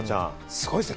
すごいですね。